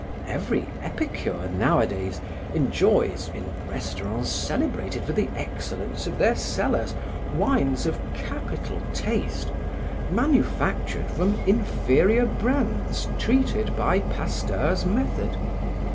Every epicure nowadays enjoys, in restaurants celebrated for the excellence of their cellars, wines of capital taste manufactured from inferior brands treated by Pasteur's method.